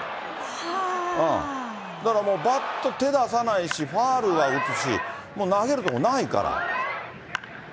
だからもう、バット手出さないし、ファウルは打つし、もう投げるとこないから。